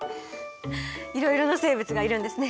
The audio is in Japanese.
いろいろな生物がいるんですね。